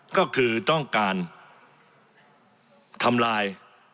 ก็คือต้องการทำลาย